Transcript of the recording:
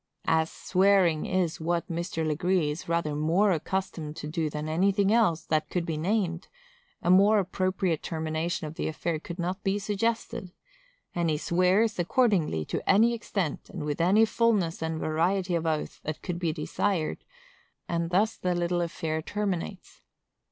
As swearing is what Mr. Legree is rather more accustomed to do than anything else that could be named, a more appropriate termination of the affair could not be suggested; and he swears, accordingly, to any extent, and with any fulness and variety of oath that could be desired; and thus the little affair terminates.